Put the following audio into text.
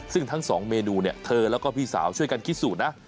ซึ่งทั้งสองเมนูเนี่ยเธอแล้วก็พี่สาวช่วยกันคิดสูตรนะ